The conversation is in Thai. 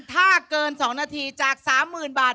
ถ้าเกิน๒นาทีจาก๓๐๐๐บาท